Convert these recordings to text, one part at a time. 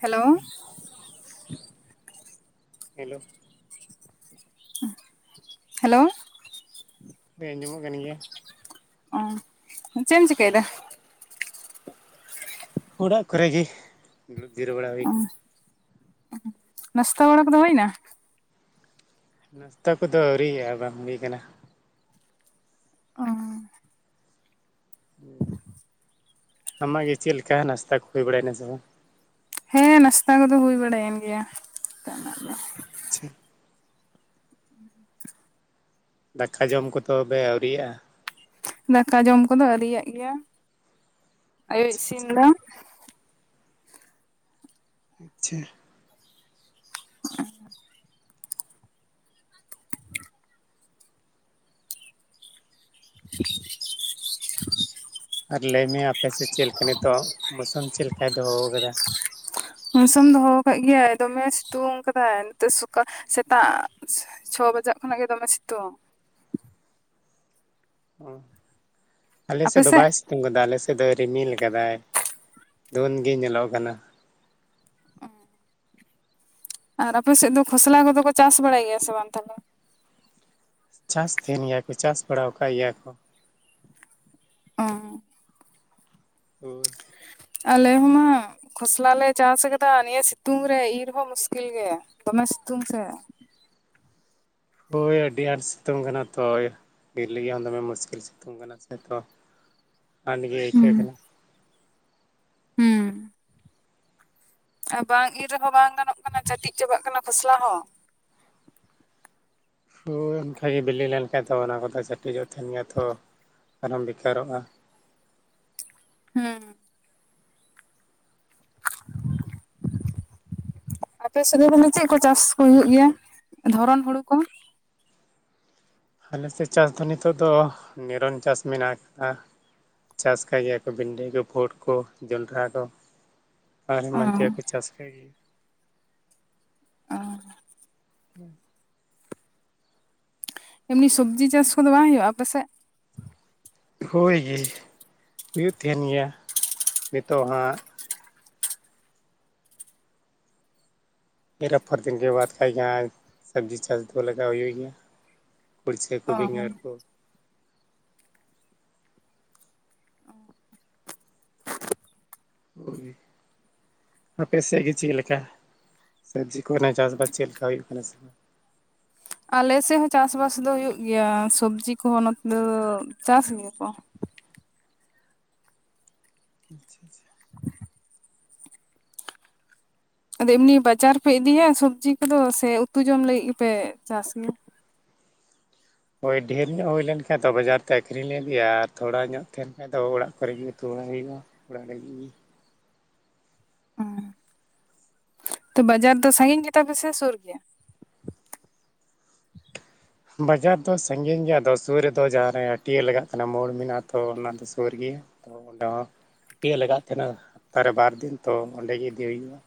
Hello hello hello ᱦᱮᱸ ᱟᱸᱡᱚᱢᱚᱜ ᱠᱟᱱ ᱜᱮᱭᱟ ᱚ ᱪᱮᱫ ᱮᱢ ᱪᱤᱠᱟᱹᱭᱫᱟ? ᱚᱲᱟᱜ ᱠᱚᱨᱮ ᱜᱮ ᱫᱩᱲᱩᱵ ᱡᱤᱨᱟᱹᱣ ᱵᱟᱲᱟ ᱦᱩᱭ ᱟᱠᱟᱱᱟ। ᱱᱟᱥᱛᱟ ᱵᱟᱲᱟ ᱠᱚᱫᱚ ᱦᱩᱭᱱᱟ ᱱᱟᱥᱛᱟ ᱠᱚᱫᱚ ᱟᱹᱣᱨᱤᱭᱟᱜᱼᱟ ᱵᱟᱝ ᱦᱩᱭ ᱠᱟᱱᱟ। ᱚᱻ ᱟᱢᱟᱜ ᱜᱮ ᱪᱮᱫ ᱞᱮᱠᱟ ᱱᱟᱥᱛᱟ ᱠᱚ ᱦᱩᱭ ᱵᱟᱲᱟᱭᱱᱟ ᱥᱮ ᱵᱟᱝ? ᱦᱮᱸ ᱱᱟᱥᱛᱟ ᱠᱚᱫᱚ ᱦᱩᱭ ᱵᱟᱲᱟ ᱭᱮᱱ ᱜᱮᱭᱟ [inaudible] ᱟᱪᱪᱷᱟ [unintelligible] ᱫᱟᱠᱟ ᱡᱚᱢ ᱠᱚᱫᱚ ᱟᱹᱣᱨᱤᱭᱟᱜᱼᱟ ᱫᱟᱠᱟ ᱡᱚᱢ ᱠᱚᱫᱚ ᱟᱹᱣᱨᱤᱭᱟᱜ ᱜᱮᱭᱟ ᱟᱭᱩᱵ ᱟᱪᱪᱷᱟ ᱥᱤᱢ ᱫᱚ। ᱟᱪᱪᱷᱟ [unintelligible] [unintelligible] ᱟᱨ ᱞᱟᱹᱭᱢᱮ ᱟᱯᱮᱥᱮᱫ ᱪᱮᱫ ᱞᱮᱠᱟ ᱱᱤᱛᱳᱜ ᱢᱳᱥᱩᱢ ᱪᱮᱫ ᱞᱮᱠᱟᱭ ᱫᱚᱦᱚ ᱟᱠᱟᱫᱟ? ᱢᱳᱥᱩᱢ ᱫᱚᱦᱚ ᱟᱠᱟᱫ ᱜᱮᱭᱟᱭ ᱫᱚᱢᱮ ᱥᱤᱛᱩᱝ ᱠᱟᱫᱟᱭ ᱱᱤᱛᱳᱜ ᱥᱚᱠᱟᱞ ᱥᱮᱛᱟᱜ ᱪᱷᱚ ᱵᱟᱡᱟᱜ ᱠᱷᱚᱱᱟᱜ ᱜᱮ ᱫᱚᱢᱮ ᱥᱤᱛᱩᱝ। ᱚ ᱟᱯᱮ ᱟᱞᱮᱥᱮᱫ ᱫᱚ ᱥᱮᱫ ᱵᱟᱭ ᱥᱤᱛᱩᱝ ᱠᱟᱫᱟ ᱟᱞᱮᱥᱮᱫ ᱫᱚ ᱨᱤᱢᱤᱞ ᱟᱠᱟᱫᱟᱭ ᱫᱷᱩᱸᱛ ᱜᱮ ᱧᱮᱞᱚᱜ ᱠᱟᱱᱟ ᱟᱨ ᱟᱯᱮᱥᱮᱫ ᱫᱚ ᱠᱷᱚᱥᱞᱟ ᱠᱚᱫᱚ ᱠᱚ ᱪᱟᱥ ᱵᱟᱲᱟᱭ ᱜᱮᱭᱟ ᱥᱮ ᱵᱟᱝ ᱛᱟᱞᱦᱮ? ᱪᱟᱥ ᱛᱟᱦᱮᱱ ᱜᱮᱭᱟ ᱠᱚ ᱪᱟᱥ ᱵᱟᱲᱟ ᱟᱠᱟᱫ ᱜᱮᱭᱟ ᱠᱚ। ᱚ ᱦᱳᱭ ᱟᱞᱮ ᱦᱚᱸ ᱠᱷᱚᱥᱞᱟ ᱞᱮ ᱪᱟᱥ ᱟᱠᱟᱫᱟ ᱱᱤᱭᱟᱹ ᱥᱤᱛᱩᱝ ᱨᱮ ᱤᱨ ᱦᱚᱸ ᱢᱩᱥᱠᱤᱞ ᱜᱮ ᱫᱚᱢᱮ ᱥᱤᱛᱩᱝ ᱥᱮ ᱦᱳᱭ ᱟᱹᱰᱤ ᱟᱸᱴ ᱥᱤᱛᱩᱝ ᱠᱟᱱᱟ ᱛᱚ ᱤᱨ ᱞᱟᱹᱜᱤᱫ ᱦᱚᱸ ᱫᱚᱢᱮ ᱢᱩᱥᱠᱤᱞ ᱥᱤᱛᱩᱝ ᱠᱟᱱᱟ ᱥᱮ ᱛᱚ ᱟᱴ ᱜᱮ ᱦᱩᱸ ᱟᱹᱭᱠᱟᱹᱜ ᱠᱟᱱᱟ ᱦᱩᱸ ᱟᱨ ᱵᱟᱝ ᱤᱨ ᱨᱮᱦᱚᱸ ᱵᱟᱝ ᱜᱟᱱᱚᱜ ᱠᱟᱱᱟ ᱪᱟᱹᱴᱤᱡ ᱪᱟᱵᱟᱜ ᱠᱟᱱᱟ ᱠᱷᱚᱥᱞᱟ ᱦᱚᱸ। ᱦᱳᱭ ᱚᱱᱠᱟᱜᱮ ᱵᱤᱞᱤ ᱞᱮᱱᱠᱷᱟᱡ ᱫᱚ ᱚᱱᱟ ᱠᱚᱫᱚ ᱪᱟᱹᱴᱤᱡᱚᱜ ᱛᱟᱦᱮᱱ ᱜᱮᱭᱟ ᱛᱚ ᱟᱨᱚᱢ ᱵᱮᱠᱟᱨᱚᱜᱼᱟ ᱦᱮᱸ [unintelligible] ᱟᱯᱮᱥᱮᱫ ᱨᱮᱫᱚ ᱪᱮᱫ ᱠᱚ ᱪᱟᱥ ᱠᱚ ᱦᱩᱭᱩᱜ ᱜᱮᱭᱟ ᱫᱷᱚᱨᱚᱱ ᱦᱳᱲᱳ ᱠᱚ? ᱟᱞᱮᱥᱮᱫ ᱪᱟᱥ ᱫᱚ ᱱᱤᱛᱚᱜ ᱫᱚ ᱱᱤᱨᱚᱱ ᱪᱟᱥ ᱢᱮᱱᱟᱜ ᱟᱠᱟᱫᱟ ᱪᱟᱥ ᱠᱟᱜ ᱜᱮᱭᱟ ᱠᱚ ᱵᱷᱤᱱᱰᱤ ᱠᱚ ᱯᱷᱩᱴ ᱠᱚ ᱡᱚᱱᱰᱨᱟ ᱠᱚ ᱟᱨ ᱚ ᱮᱢᱟᱱ ᱛᱮᱭᱟᱜ ᱠᱚ ᱪᱟᱥ ᱟᱠᱟᱜ ᱜᱮ ᱮᱢᱱᱤ ᱥᱚᱵᱽᱡᱤ ᱪᱟᱥ ᱠᱚᱫᱚ ᱵᱟᱝ ᱦᱩᱭᱩᱜᱼᱟ ᱟᱯᱮᱥᱮᱫ? ᱦᱳᱭ ᱜᱮ ᱦᱩᱭᱩᱜ ᱛᱟᱦᱮᱱ ᱜᱮᱭᱟ ᱱᱤᱛᱚᱜ ᱦᱟᱸᱜ ᱮᱨ ᱟᱯᱷᱚᱨ ᱫᱤᱱ ᱵᱟᱫ ᱠᱷᱟᱡ ᱜᱮ ᱦᱟᱸᱜ ᱥᱚᱵᱡᱤ ᱪᱟᱥ ᱠᱚ ᱞᱮᱠᱟ ᱦᱩᱭ ᱜᱮᱭᱟ ᱠᱩᱲᱪᱟᱹ ᱠᱚ ᱚ ᱵᱮᱸᱜᱟᱲ ᱠᱚ ᱦᱩᱭ ᱟᱯᱮᱥᱮᱫ ᱜᱮ ᱪᱮᱫ ᱞᱮᱠᱟ ᱥᱚᱵᱽᱡᱤ ᱠᱚᱨᱮᱱᱟᱜ ᱪᱟᱥ ᱵᱟᱥ ᱪᱮᱫ ᱞᱮᱠᱟ ᱦᱩᱭᱩᱜ ᱠᱟᱱᱟ ᱥᱮ ᱵᱟᱝ? ᱟᱞᱮᱥᱮᱜ ᱦᱚᱸ ᱪᱟᱥ ᱵᱟᱥ ᱫᱚ ᱦᱩᱭᱩᱜ ᱜᱮᱭᱟ, ᱥᱚᱵᱽᱡᱤ ᱠᱚᱦᱚᱸ ᱱᱚᱛᱮ ᱫᱚ ᱪᱟᱥ ᱜᱮᱭᱟ ᱠᱚ ᱾ ᱟᱪᱪᱷᱟ ᱟᱪᱪᱷᱟ ᱾ ᱟᱫᱚ ᱮᱢᱱᱤ ᱵᱟᱡᱟᱨ ᱯᱮ ᱤᱫᱤᱭᱟ ᱥᱚᱵᱽᱡᱤ ᱠᱚᱫᱚ ᱥᱮ ᱩᱛᱩ ᱡᱚᱢ ᱞᱟᱹᱜᱤᱜ ᱜᱮᱯᱮ ᱪᱟᱥ ᱜᱮᱭᱟ? ᱦᱚᱭ ᱰᱷᱮᱨ ᱧᱚᱜ ᱦᱩᱭ ᱞᱮᱱ ᱠᱷᱟᱱ ᱫᱚ ᱵᱟᱡᱟᱨ ᱛᱮ ᱟᱹᱠᱷᱨᱤᱧ ᱞᱮ ᱤᱫᱤᱭᱟ ᱟᱨ ᱛᱷᱚᱲᱟ ᱧᱚᱜ ᱛᱟᱦᱮᱱ ᱠᱷᱟᱱ ᱫᱚ ᱚᱲᱟᱜ ᱠᱚᱨᱮ ᱜᱮ ᱩᱛᱩ ᱵᱟᱲᱟ ᱦᱩᱭᱩᱜᱼᱟ ᱾ ᱚᱲᱟᱜ ᱨᱮᱜᱤ᱾ ᱚᱸ ᱛᱚ ᱵᱟᱡᱟᱨ ᱫᱚ ᱥᱟᱺᱜᱤᱧ ᱜᱮ ᱛᱟᱯᱮ ᱥᱮ ᱥᱩᱨ ᱜᱮᱭᱟ? ᱵᱟᱡᱟᱨ ᱫᱚ ᱥᱟᱺᱜᱤᱧ ᱜᱮᱭᱟ, ᱟᱫᱚ ᱥᱩᱨ ᱨᱮᱫᱚ ᱡᱟᱦᱟᱸ ᱨᱮ ᱦᱟᱹᱴᱭᱟᱹ ᱞᱟᱜᱟᱜ ᱠᱟᱱᱟ ᱢᱚᱲ ᱢᱮᱱᱟᱜᱼᱟ, ᱛᱚ ᱚᱱᱟ ᱫᱚᱼᱼ ᱥᱚᱨ ᱜᱮᱭᱟ ᱾ [unintelligible] ᱦᱟᱹᱴᱭᱟᱹ ᱞᱟᱜᱟᱜ ᱛᱟᱦᱮᱱᱟ [unintelligible] ᱛᱟ ᱨᱮ ᱵᱟᱨ ᱫᱤᱱ ᱛᱚ ᱚᱸᱰᱮ ᱤᱫᱤ ᱦᱩᱭᱩᱜᱼᱟ᱾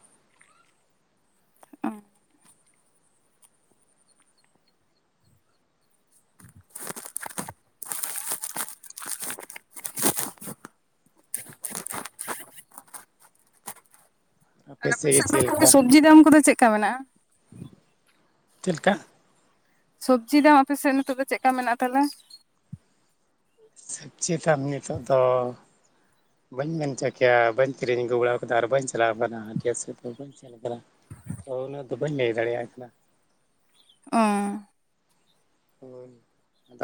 ᱚ᱾ ᱟᱨ ᱟᱯᱮ ᱥᱮᱫ ᱜᱮ ᱥᱮᱜ ᱫᱚ ᱪᱮᱫ ᱞᱮᱠᱟ ᱥᱚᱵᱽᱡᱤ ᱫᱟᱢ ᱠᱚᱫᱚ ᱪᱮᱜ ᱠᱟ ᱢᱮᱱᱟᱜᱼᱟ? ᱪᱮᱞ ᱠᱟ? ᱥᱚᱵᱽᱡᱤ ᱫᱟᱢ ᱟᱯᱮ ᱥᱮᱜ ᱱᱤᱛᱚᱜ ᱫᱚ ᱪᱮᱜ ᱠᱟ ᱢᱮᱱᱟᱜᱼᱟ, ᱛᱟᱦᱞᱮ? [unintelligible] ᱡᱤ ᱱᱤᱛᱚᱜ ᱫᱚᱼᱼ ᱵᱟᱹᱧ ᱢᱮᱱ ᱦᱚᱪᱚ ᱠᱮᱭᱟ, ᱵᱟᱧ ᱠᱤᱨᱤᱧ ᱟᱹᱜᱩ ᱵᱟᱲᱟᱣᱟ ᱠᱟᱫᱟ ᱟᱨ ᱵᱟᱹᱧ ᱪᱟᱞᱟᱣ ᱟᱠᱟᱱᱟ ᱦᱟ. ᱴᱭᱟ. ᱥᱮᱜ ᱫᱚ ᱵᱟᱹᱧᱼᱼ [unintelligible] ᱛᱚ ᱩᱱᱟᱹᱜ ᱫᱚ ᱵᱟᱹᱧ ᱞᱟᱹᱭ ᱫᱟᱲᱮᱭᱟᱜ ᱠᱟᱱᱟ᱾ ᱚᱸᱻ᱾ ᱦᱚᱭ,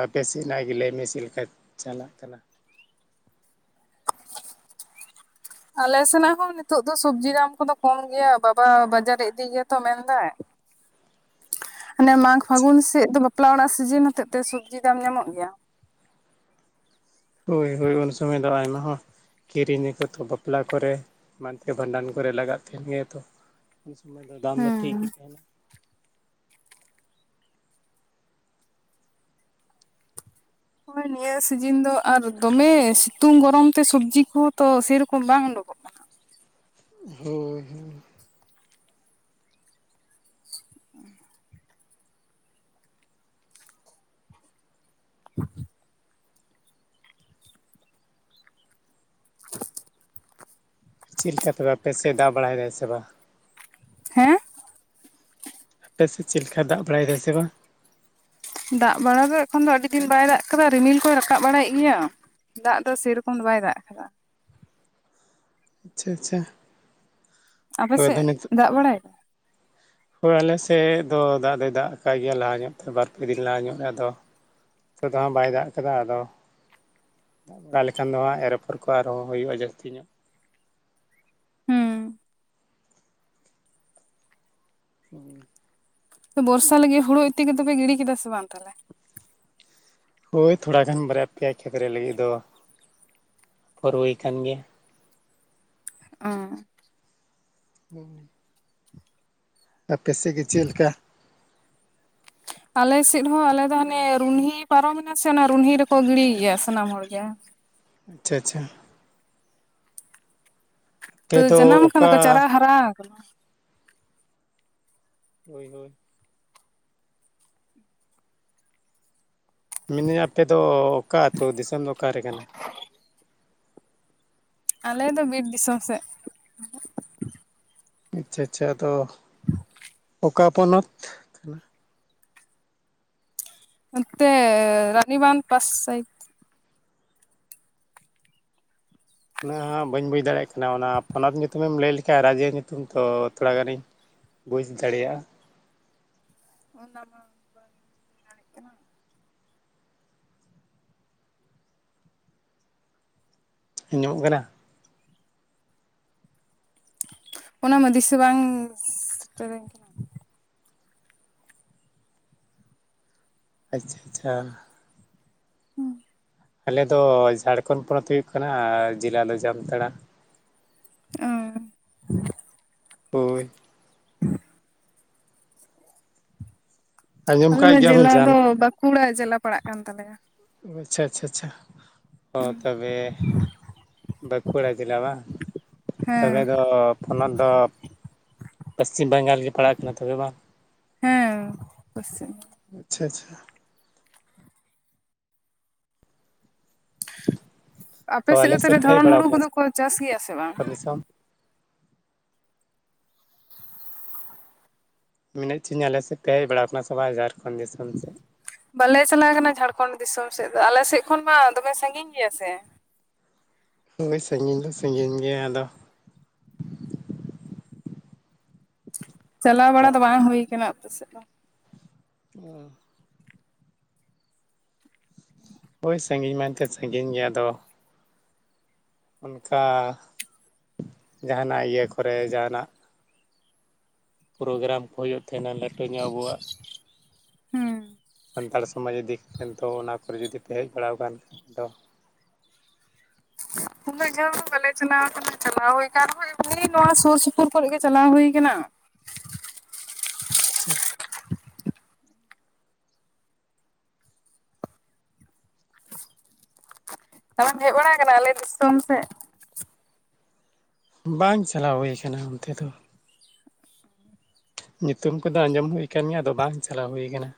ᱟᱯᱮ ᱥᱮᱜᱱᱟᱜ ᱜᱮ ᱞᱟᱹᱭ ᱢᱮ ᱪᱮᱜ ᱠᱟ ᱪᱟᱞᱟᱜ ᱠᱟᱱᱟ? ᱟᱞᱮ ᱥᱮᱱᱟᱜ ᱦᱚᱸ ᱱᱤᱛᱚᱜ ᱫᱚ ᱥᱚᱵᱡᱤ ᱫᱟᱢ ᱠᱚᱫᱚ ᱠᱚᱢ ᱜᱮᱭᱟ, ᱵᱟᱵᱟ ᱵᱟᱡᱟᱨᱮ ᱤᱫᱤ ᱜᱮᱭᱟᱛᱚ ᱢᱮᱱᱮᱫᱟᱭ ᱾ [inaudible] ᱦᱟᱱᱮ ᱢᱟᱜᱽ ᱯᱷᱟᱹᱜᱩᱱ ᱥᱮᱜ ᱫᱚ ᱵᱟᱯᱞᱟ ᱚᱲᱟᱜ ᱥᱤᱡᱤᱱ ᱦᱚᱛᱮᱜ ᱛᱮ ᱥᱚᱵᱽᱡᱤ ᱫᱟᱢ ᱧᱟᱢᱚᱜ ᱜᱮᱭᱟ᱾ ᱦᱚᱭ ᱦᱚᱭ ᱩᱱ ᱥᱚᱢᱚᱭ ᱫᱚ ᱟᱭᱢᱟ ᱦᱚᱸᱼᱼ ᱠᱤᱨᱤᱧᱟ ᱠᱚᱛᱚ ᱵᱟᱯᱞᱟ ᱠᱚᱨᱮ ᱮᱢᱟᱱᱛᱮ ᱵᱷᱟᱸᱰᱟᱱ ᱠᱚᱨᱮ ᱞᱟᱜᱟᱜ ᱛᱟᱦᱮᱱ ᱜᱮᱭᱟ ᱛᱚᱼᱼ ᱩᱱ ᱥᱚᱢᱚᱭ ᱫᱚ ᱫᱟᱢ ᱫᱚ ᱴᱷᱤᱠ ᱜᱮ ᱦᱩᱸ ᱛᱟᱦᱮᱸᱱᱟ᱾ ᱦᱚᱭ ᱱᱤᱭᱟᱹ ᱥᱤᱡᱤᱱ ᱫᱚ ᱟᱨ ᱫᱚᱢᱮ ᱥᱤᱛᱩᱝ ᱜᱚᱨᱚᱢ ᱛᱮ ᱥᱚᱵᱽᱡᱤ ᱠᱚᱦᱚᱸ ᱛᱚ ᱥᱮᱨᱚᱠᱚᱢ ᱵᱟᱝ ᱚᱰᱚᱝᱚᱼᱜ ᱾ ᱦᱚᱭ ᱦᱚᱭ ᱾ [inaudible] [inaudible] ᱪᱤᱜ ᱞᱮᱠᱟ ᱛᱚᱵᱮ ᱟᱯᱮ ᱥᱮᱜ ᱫᱟᱜ ᱵᱟᱲᱟᱭᱮᱫᱟᱭ ᱥᱮ ᱵᱟᱝᱼᱟ? ᱦᱮᱸ? ᱟᱯᱮ ᱥᱮᱜ ᱪᱮᱜ ᱠᱟ ᱫᱟᱜ ᱵᱟᱲᱟᱭᱮᱫᱟᱭ ᱥᱮ ᱵᱟᱝᱼᱟ? ᱫᱟᱜ ᱵᱟᱲᱟ ᱫᱚ ᱮᱠᱷᱚᱱ ᱫᱚ ᱟᱹᱰᱤ ᱫᱤᱱ ᱵᱟᱭ ᱫᱟᱜ ᱟᱠᱟᱫᱟ, ᱨᱤᱢᱤᱞ ᱠᱚᱭ ᱨᱟᱠᱟᱵ ᱵᱟᱲᱟᱭᱮᱜ ᱜᱮᱭᱟ᱾ ᱫᱟᱜ ᱫᱚ ᱥᱮᱨᱚᱠᱚᱢ ᱫᱚ ᱵᱟᱭ ᱫᱟᱜ ᱟᱠᱟᱫᱟ᱾ ᱟᱪᱪᱷᱟ ᱟᱪᱪᱷᱟ᱾ ᱟᱯᱮ ᱦᱳᱭ ᱥᱮᱜ ᱟᱫᱚ ᱫᱟᱜ ᱵᱟᱲᱟᱭᱮᱼᱟᱭ? ᱦᱚᱭ ᱟᱞᱮᱥᱮᱜ ᱫᱚ ᱫᱟᱜ ᱫᱚᱭ ᱫᱟᱜ ᱟᱠᱟᱟᱜ ᱜᱮᱭᱟ ᱞᱟᱦᱟ ᱧᱚᱜ ᱛᱮ, ᱵᱟᱨᱯᱮ ᱫᱤᱱ ᱞᱟᱦᱟ ᱧᱚᱜ ᱨᱮ ᱟᱫᱚᱼᱼ [unintelligible] ᱛᱮ ᱫᱚ ᱦᱟᱜ ᱵᱟᱭ ᱫᱟᱜ ᱠᱟᱫᱟ ᱟᱫᱚᱼᱼ ᱫᱟᱜ ᱵᱟᱲᱟ ᱞᱮᱠᱷᱟᱱ ᱫᱚ ᱦᱟᱸᱜ ᱮᱨ ᱚᱯᱷᱚᱨ ᱠᱚ ᱟᱨᱦᱚᱸ ᱦᱩᱭᱩᱜᱼᱟ, ᱡᱟᱹᱥᱛᱤ ᱧᱚᱜ᱾ ᱦᱩᱸᱻ᱾ [inaudible] ᱵᱚᱨᱥᱟ ᱞᱟᱹᱜᱤᱜ ᱦᱩᱲᱩ ᱤᱛᱤ ᱠᱚᱫᱚ ᱯᱮ ᱜᱤᱰᱤ ᱠᱮᱫᱟ ᱥᱮ ᱵᱟᱝᱼᱟ ᱛᱟᱦᱞᱮ? ᱦᱚᱭ ᱛᱷᱚᱲᱟ ᱜᱟᱱ ᱵᱟᱨᱭᱟ ᱯᱮᱭᱟ ᱠᱷᱮᱛ ᱨᱮ ᱞᱟᱹᱜᱤᱫ ᱫᱚ, ᱯᱷᱚᱨ ᱦᱩᱭ ᱟᱠᱟᱱ ᱜᱮᱭᱟ᱾ ᱚᱸᱻ᱾ [unintelligible] ᱟᱯᱮ ᱥᱮᱜ ᱜᱮ ᱪᱮᱜ ᱞᱮᱠᱟ? ᱟᱞᱮ ᱥᱮᱫ ᱦᱚᱸ ᱟᱞᱮ ᱫᱚ ᱦᱟᱱᱮ ᱨᱩᱱᱦᱤ ᱯᱟᱨᱚᱢᱮᱱᱟ ᱥᱮ ᱚᱱᱟ ᱨᱩᱱᱦᱤ ᱨᱮᱠᱚ ᱜᱤᱲᱤᱭ ᱜᱮᱭᱟ ᱥᱟᱱᱟᱢ ᱦᱚᱲ ᱜᱮ᱾ ᱟᱪᱪᱷᱟ ᱟᱪᱪᱷᱟ᱾ ᱛᱚ ᱟᱯᱮ ᱫᱚ ᱡᱟᱱᱟᱢ ᱟᱠᱟᱱ ᱚᱠᱟ ᱫᱚᱠᱚ ᱪᱟᱨᱟ ᱦᱟᱨᱟ ᱟᱠᱟᱱᱟ᱾ ᱦᱚᱭ ᱦᱚᱭ ᱾ ᱢᱤᱱᱟᱹᱧ ᱟᱯᱮᱫᱚ ᱚᱠᱟ ᱟᱹᱛᱩ, ᱫᱤᱥᱚᱢ ᱫᱚ ᱚᱠᱟᱨᱮ ᱠᱟᱱᱟ? ᱟᱞᱮ ᱫᱚ ᱵᱤᱨ ᱫᱤᱥᱚᱢ ᱥᱮᱫ ᱟᱪᱪᱷᱟ ᱟᱪᱪᱷᱟ ᱟᱫᱚ ᱚᱠᱟ ᱯᱚᱱᱚᱛ? ᱠᱟᱱᱟ? ᱱᱚᱛᱮ ᱨᱟᱱᱤᱵᱟᱸᱫᱷ ᱯᱟᱥ ᱥᱟᱭ ᱩᱱᱟᱹᱦᱟᱜ ᱵᱟᱹᱧ ᱵᱩᱡᱽ ᱫᱟᱲᱮᱭᱟᱜ ᱠᱟᱱᱟ᱾ ᱚᱱᱟ ᱯᱚᱱᱚᱛ ᱧᱩᱛᱩᱢᱮᱢ ᱞᱟᱹᱭ ᱞᱮᱠᱷᱟᱱ ᱨᱟᱡᱭᱟᱹ ᱧᱩᱛᱩᱢ ᱛᱚ ᱛᱷᱚᱲᱟ ᱜᱟᱱᱤᱧ ᱵᱩᱡᱽ ᱫᱟᱲᱮᱭᱟᱜ-ᱟ ᱾ [inaudible] [unintelligible] ᱟᱸᱡᱚᱢᱚᱜ ᱠᱟᱱᱟ? ᱚᱱᱟ ᱢᱟ ᱫᱤᱥᱟᱹ ᱵᱟᱝ ᱥᱮᱴᱮᱨᱟᱹᱧ ᱠᱟᱱᱟ ᱾ ᱟᱪᱪᱷᱟ ᱟᱪᱪᱷᱟ ᱾ [unintelligible] ᱟᱞᱮ ᱫᱚ ᱡᱷᱟᱲᱠᱷᱚᱸᱰ ᱯᱚᱱᱚᱛ ᱦᱩᱭᱩᱜ ᱠᱟᱱᱟ, ᱡᱮᱞᱟ ᱫᱚ ᱡᱟᱢᱛᱟᱲᱟ ᱾ ᱚ ᱦᱳᱭ [inaudible] ᱟᱸᱡᱚᱢ ᱟᱞᱮᱢᱟ ᱠᱟᱜ ᱜᱮᱭᱟᱢ ᱡᱮᱞᱟ ᱡᱟᱢ ᱫᱚ ᱵᱟᱸᱠᱩᱲᱟ ᱡᱮᱞᱟ ᱯᱟᱲᱟᱜ ᱠᱟᱱ ᱛᱟᱞᱮᱭᱟ ᱟᱪᱪᱷᱟ ᱟᱪᱪᱷᱟ ᱟᱪᱪᱷᱟ ᱾ ᱚ ᱛᱚᱵᱮ ᱵᱟᱸᱠᱩᱲᱟ ᱡᱮᱞᱟ ᱵᱟᱝ, ᱛᱚᱵᱮ ᱦᱮᱸ ᱫᱚ ᱯᱚᱱᱚᱛ ᱫᱚ ᱯᱚᱥᱪᱤᱢ ᱵᱟᱝᱜᱟᱞ ᱨᱮᱜᱮ ᱯᱟᱲᱟᱜ ᱠᱟᱱᱟ ᱛᱚᱵᱮ ᱵᱟᱝ? ᱦᱮᱸ ᱯᱚᱥᱪᱤᱢ ᱟᱪᱪᱷᱟ ᱟᱪᱪᱷᱟ ᱾ ᱟᱯᱮ ᱛᱚ ᱥᱮᱫ ᱫᱚ ᱟᱞᱮ ᱛᱟᱦᱚᱞᱮ ᱯᱮ ᱦᱮᱡ ᱫᱷᱚᱨᱚᱱ ᱵᱟᱲᱟ ᱦᱩᱲᱩ ᱟᱠᱟᱱᱟ ᱠᱚᱫᱚ ᱥᱮ ᱠᱚ ᱪᱟᱥ ᱜᱮᱭᱟ ᱥᱮ ᱵᱟᱝ? ᱢᱮᱱᱮᱫ [unintelligible] ᱟᱞᱮ ᱥᱮᱫ ᱯᱮ ᱦᱮᱡ ᱵᱟᱲᱟ ᱟᱠᱟᱱᱟ ᱥᱮ ᱵᱟᱝ ᱡᱷᱟᱲᱠᱷᱚᱸᱰ ᱫᱤᱥᱚᱢ ᱥᱮᱫ? ᱵᱟᱞᱮ ᱪᱟᱞᱟᱣ ᱠᱟᱱᱟ ᱡᱷᱟᱲᱠᱷᱚᱸᱰ ᱫᱤᱥᱚᱢ ᱥᱮᱫ ᱫᱚ, ᱟᱞᱮ ᱥᱮᱫ ᱠᱷᱚᱱ ᱢᱟ ᱫᱚᱢᱮ ᱥᱟᱺᱜᱤᱧ ᱜᱮᱭᱟ ᱥᱮ? ᱦᱳᱭ ᱥᱟᱺᱜᱤᱧ ᱫᱚ ᱥᱟᱺᱜᱤᱧ ᱜᱮᱭᱟ ᱟᱫᱚ ᱪᱟᱞᱟᱣ ᱵᱟᱲᱟ ᱫᱚ ᱵᱟᱝ ᱦᱩᱭ ᱠᱟᱱᱟ ᱟᱯᱮ ᱥᱮᱫ ᱫᱚ ᱾ ᱚ ᱳᱭ ᱥᱟᱺᱜᱤᱧ ᱢᱮᱱ ᱛᱮᱫ ᱥᱟᱺᱜᱤᱧ ᱜᱮᱭᱟ ᱟᱫᱚ ᱚᱱᱠᱟ ᱡᱟᱦᱟᱱᱟᱜ ᱤᱭᱟᱹ ᱠᱚᱨᱮ ᱡᱟᱦᱟᱱᱟᱜ ᱯᱨᱳᱜᱨᱟᱢ ᱠᱚ ᱦᱩᱭᱩᱜ ᱛᱟᱦᱮᱱᱟ ᱞᱟᱹᱴᱩ ᱧᱚᱜ ᱟᱵᱚᱣᱟᱜ ᱦᱩᱸ ᱾ ᱥᱟᱱᱛᱟᱲ ᱥᱚᱢᱟᱡᱽ ᱤᱫᱤ ᱠᱟᱛᱮ ᱛᱚ, ᱚᱱᱟ ᱠᱚᱨᱮ ᱡᱩᱫᱤ ᱯᱮ ᱦᱮᱡ ᱵᱟᱲᱟᱟᱣ ᱟᱠᱟᱱ ᱠᱷᱟᱱ ᱫᱚ ᱾ ᱩᱱᱟᱹᱜ ᱡᱷᱟᱹᱞ ᱫᱚ ᱵᱟᱞᱮ ᱪᱟᱞᱟᱣ ᱟᱠᱟᱱᱟ, ᱪᱟᱞᱟᱣ ᱦᱩᱭ ᱟᱠᱟᱱ ᱨᱮᱦᱚᱸ ᱮᱢᱱᱤ ᱱᱚᱣᱟ ᱥᱩᱨ ᱥᱩᱯᱩᱨ ᱠᱚᱨᱮ ᱜᱮ ᱪᱟᱞᱟᱣ ᱦᱩᱭ ᱟᱠᱟᱱᱟ᱾ ᱟᱪᱪᱷᱟ ᱾ ᱛᱚᱵᱮᱢ ᱦᱮᱡ ᱵᱟᱲᱟ ᱟᱠᱟᱱᱟ ᱟᱞᱮ ᱫᱤᱥᱚᱢ ᱥᱮᱫ? ᱵᱟᱝ ᱪᱟᱞᱟᱣ ᱦᱩᱭ ᱟᱠᱟᱱᱟ ᱚᱱᱛᱮ ᱫᱚ ᱾ ᱧᱩᱛᱩᱢ ᱠᱚᱫᱚ ᱟᱸᱡᱚᱢ ᱦᱩᱭ ᱟᱠᱟᱱ ᱜᱮᱭᱟ, ᱟᱫᱚ ᱵᱟᱝ ᱪᱟᱞᱟᱣ ᱦᱩᱭ ᱟᱠᱟᱱᱟ᱾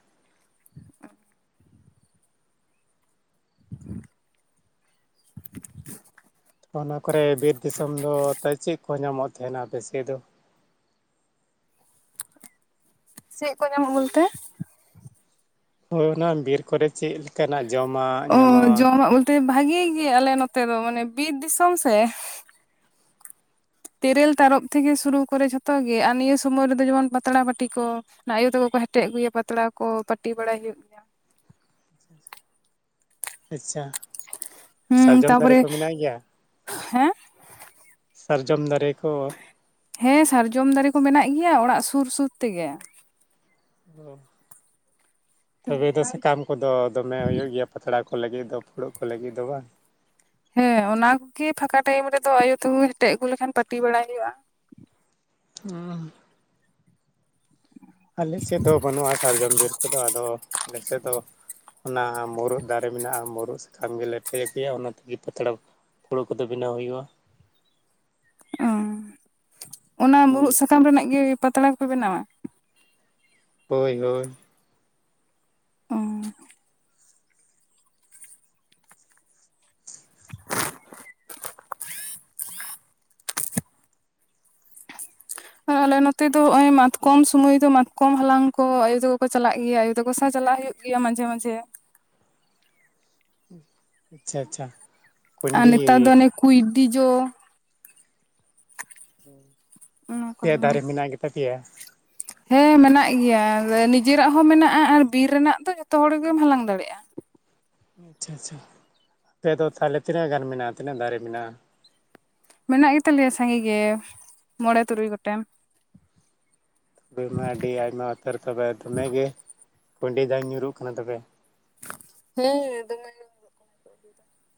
[inaudible] ᱚᱱᱟ ᱠᱚᱨᱮ ᱵᱤᱨ ᱫᱤᱥᱚᱢ ᱫᱚ ᱛᱚ ᱪᱮᱫ ᱠᱚ ᱧᱟᱢᱚᱜ ᱛᱟᱦᱮᱱᱟ ᱵᱮᱥᱤ ᱫᱚ? ᱪᱮᱫ ᱠᱚ ᱧᱟᱢᱚᱜ-ᱟ ᱵᱚᱞᱛᱮ ᱦᱳᱭ ᱚᱱᱟ ᱵᱤᱨ ᱠᱚᱨᱮ ᱪᱮᱫ ᱞᱮᱠᱟᱱᱟᱜ ᱡᱚᱢᱟᱜ ᱚ ᱧᱟᱢᱚᱜ-ᱟ ᱡᱚᱢᱟᱜ ᱵᱚᱞᱛᱮ ᱵᱷᱟᱜᱤ ᱜᱮ ᱟᱞᱮ ᱱᱚᱛᱮ ᱫᱚ ᱢᱟᱱᱮ ᱵᱤᱨ ᱫᱤᱥᱚᱢ ᱥᱮ ᱛᱮᱨᱮᱞ, ᱛᱟᱨᱚᱯ ᱛᱷᱮᱠᱮ ᱥᱩᱨᱩ ᱠᱚᱨᱮ ᱡᱷᱚᱛᱚ ᱜᱮ, ᱟᱨ ᱱᱤᱭᱟᱹ ᱥᱚᱢᱚᱭ ᱨᱮᱫᱚ ᱡᱮᱢᱚᱱ ᱯᱟᱛᱲᱟ ᱯᱟᱹᱴᱤ ᱠᱚ ᱚᱱᱟ ᱟᱭᱩ ᱛᱟᱠᱚ ᱠᱚ ᱦᱮᱴᱮᱡ ᱟᱹᱜᱩᱭᱟ, ᱯᱟᱛᱲᱟ ᱠᱚ ᱯᱟᱹᱴᱤ ᱵᱟᱲᱟᱭ ᱦᱩᱭᱩᱜ ᱜᱮᱭᱟ ᱟᱪᱪᱷᱟ ᱾ ᱦᱩᱸ ᱥᱟᱨᱡᱚᱢ ᱫᱟᱨᱮ ᱛᱟᱯᱚᱨᱮ ᱠᱚ ᱢᱮᱱᱟᱜ ᱜᱮᱭᱟ? ᱦᱮᱸ ᱥᱟᱨᱡᱚᱢ ᱫᱟᱨᱮ ᱠᱚ ᱦᱮᱸ ᱥᱟᱨᱡᱚᱢ ᱫᱟᱨᱮ ᱠᱚ ᱢᱮᱱᱟᱜ ᱜᱮᱭᱟ, ᱚᱲᱟᱜ ᱥᱩᱨ ᱥᱩᱨ ᱛᱮᱜᱮ ᱾ ᱛᱚᱵᱮ ᱫᱚ ᱚᱱᱟ ᱥᱟᱠᱟᱢ ᱠᱚᱫᱚ ᱫᱚᱢᱮ ᱦᱩᱭᱩᱜ ᱜᱮᱭᱟ ᱯᱟᱛᱲᱟ ᱠᱚ ᱞᱟᱹᱜᱤᱫ ᱫᱚ ᱯᱷᱩᱲᱩᱜ ᱠᱚ ᱞᱟᱹᱜᱤᱫ ᱫᱚ ᱵᱟᱝ? ᱦᱮᱸ ᱚᱱᱟ ᱠᱚᱜᱤ ᱯᱷᱟᱠᱟ ᱴᱟᱭᱤᱢ ᱨᱮᱫᱚ ᱟᱭᱩ ᱛᱟᱠᱚ ᱦᱮᱴᱮᱡ ᱟᱹᱜᱩ ᱞᱮᱠᱷᱟᱱ ᱯᱟᱹᱴᱤ ᱵᱟᱲᱟᱭ ᱦᱩᱭᱩᱜ-ᱟ ᱾ [unintelligible] ᱟᱞᱮ ᱥᱮᱫ ᱫᱚ ᱵᱟᱹᱱᱩᱜ-ᱟ ᱥᱟᱨᱡᱚᱢ ᱵᱤᱨ ᱠᱚᱫᱚ ᱟᱫᱚ ᱟᱞᱮ ᱥᱮᱫ ᱫᱚ, ᱚᱱᱟ ᱢᱩᱨᱩᱫ ᱫᱟᱨᱮ ᱢᱮᱱᱟᱜ-ᱟ ᱢᱩᱨᱩᱫ ᱥᱟ ᱟᱢ ᱜᱮ ᱞᱮᱴᱮ ᱜᱮᱭᱟ ᱚᱱᱟ ᱛᱮᱜᱮ ᱯᱟᱛᱲᱟ ᱯᱷᱩᱲᱩᱜ ᱠᱚᱫᱚ ᱵᱮᱱᱟᱣ ᱦᱩᱭᱩᱜᱼᱟ᱾ ᱚ, ᱚᱱᱟ ᱢᱩᱨᱩᱫ ᱥᱟᱠᱟᱢ ᱨᱮᱱᱟᱜ ᱜᱮ ᱯᱟᱛᱲᱟ ᱠᱚᱯᱮ ᱵᱮᱱᱟᱣᱟ᱾ ᱦᱳᱭ ᱦᱳᱭ᱾ ᱚᱸ ᱟᱨ ᱟᱞᱮ ᱱᱚᱛᱮ ᱫᱚ ᱱᱚᱜᱼᱚᱭ ᱢᱟᱛᱠᱚᱢ ᱥᱚᱢᱚᱭ ᱫᱚ ᱢᱟᱛᱠᱚᱢ ᱦᱟᱞᱟᱝ ᱠᱚ ᱟᱭᱳ ᱛᱟᱠᱚ ᱠᱚ ᱪᱟᱞᱟᱜ ᱜᱮᱭᱟ ᱟᱭᱳ ᱛᱟᱠᱚ ᱥᱟᱶ ᱪᱟᱞᱟᱜ ᱦᱩᱭᱩᱜ ᱜᱮᱭᱟ ᱢᱟᱡᱷᱮ ᱢᱟᱡᱷᱮ᱾ ᱟᱪᱪᱷᱟ ᱟᱪᱪᱷᱟ᱾ ᱟᱨ ᱠᱩᱸᱭᱰᱤ ᱱᱮᱛᱟᱨ ᱫᱚ ᱚᱱᱮ ᱠᱩᱭᱰᱤ ᱡᱚ, ᱚᱱᱟ ᱠᱚ ᱟᱯᱮᱭᱟᱜ ᱦᱟᱞᱟᱝ ᱫᱟᱨᱮ ᱢᱮᱱᱟᱜ ᱜᱮᱛᱟ ᱯᱮᱭᱟ? ᱦᱮᱸ ᱢᱮᱱᱟᱜ ᱜᱮᱭᱟ, ᱱᱤᱡᱮᱨᱟᱜ ᱦᱚᱸ ᱢᱮᱱᱟᱜᱼᱟ ᱟᱨ ᱵᱤᱨ ᱨᱮᱱᱟᱜ ᱫᱚ ᱡᱷᱚᱛᱚ ᱦᱚᱲ ᱜᱮᱢ ᱦᱟᱞᱟᱝ ᱫᱟᱲᱮᱜᱼᱟ᱾ ᱟᱪᱪᱷᱟ ᱟᱪᱪᱷᱟ, ᱟᱯᱮᱫᱚ ᱛᱟᱦᱚᱞᱮ ᱛᱤᱱᱟᱹᱜ ᱜᱟᱱ ᱢᱮᱱᱟᱜᱼᱟ, ᱛᱤᱱᱟᱹᱜ ᱫᱟᱨᱮ ᱢᱮᱱᱟᱜᱼᱟ? ᱢᱮᱱᱟᱜ ᱜᱮ ᱛᱟᱞᱮᱭᱟ ᱥᱟᱸᱜᱮ ᱜᱮ ᱢᱚᱬᱮ ᱛᱩᱨᱩᱭ ᱜᱚᱴᱮᱱ᱾ ᱢᱟ ᱟᱹᱰᱤ ᱟᱭᱢᱟ ᱩᱛᱟᱹᱨ ᱛᱚᱵᱮ ᱫᱚᱢᱮᱜᱮ ᱠᱩᱸᱭᱰᱤ ᱡᱟᱝ ᱧᱩᱨᱩᱜ ᱠᱟᱱᱟ ᱛᱚᱵᱮ? ᱦᱮᱸ ᱫᱚᱢᱮ᱾ ᱠᱚᱲᱟ ᱠᱚ, ᱟᱜᱩ ᱮᱫᱟ, ᱾ [inaudible]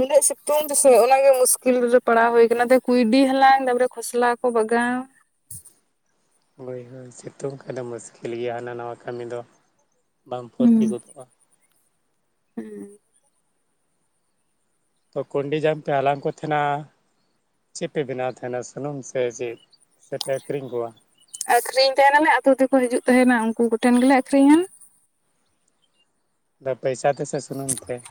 ᱩᱱᱟᱹᱜ ᱥᱤᱛᱩᱝ ᱨᱮᱥᱮ ᱚᱱᱟᱜᱮ ᱢᱩᱥᱠᱤᱞ ᱨᱮ ᱯᱟᱲᱟᱣ ᱦᱩᱭ ᱠᱟᱱᱟ ᱱᱚᱛᱮ ᱠᱩᱸᱭᱰᱤ ᱦᱟᱞᱟᱝ ᱛᱟᱯᱚᱨᱮ ᱠᱚᱥᱞᱟ ᱠᱚ ᱵᱟᱜᱟᱣ ᱾ ᱵᱟᱹᱭᱦᱟᱹᱲ ᱥᱤᱛᱩᱝ ᱠᱷᱟᱱ ᱫᱚ ᱢᱩᱥᱠᱤᱞ ᱜᱮᱭᱟ ᱦᱟᱱᱟ ᱱᱟᱭᱟ ᱠᱟᱹᱢᱤ ᱫᱚ ᱵᱟᱢ ᱯᱷᱩᱨᱛᱤ ᱜᱚᱫᱚᱜᱼᱟ᱾ ᱦᱩᱸ ᱛᱚ ᱠᱩᱸᱰᱤ ᱡᱟᱝ ᱯᱮ ᱦᱟᱞᱟᱝ ᱠᱚ ᱛᱟᱦᱮᱱᱟ ᱪᱮᱫᱯᱮ ᱵᱮᱱᱟᱣ ᱛᱟᱦᱮᱱᱟ ᱥᱩᱱᱩᱢ ᱥᱮ ᱪᱮᱫ, ᱥᱮᱯᱮ ᱟᱹᱠᱷᱨᱤᱧ ᱠᱚᱣᱟ? ᱟᱠᱷᱨᱤᱧ ᱛᱟᱦᱮᱱᱟᱞᱮ ᱟᱛᱳ ᱛᱮᱠᱚ ᱦᱤᱡᱩᱜ ᱛᱟᱦᱮᱱᱟ ᱩᱱᱠᱩ ᱠᱚᱴᱷᱮᱱ ᱜᱮᱞᱮ ᱟᱠᱷᱨᱤᱧᱟ᱾ ᱫᱟ ᱯᱚᱭᱥᱟ ᱛᱮᱥᱮ ᱥᱩᱱᱩᱢ ᱛᱮ?